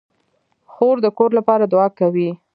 خور د کور لپاره دعا کوي.